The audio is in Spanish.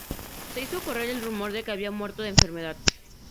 Se hizo correr el rumor de que había muerto de enfermedad.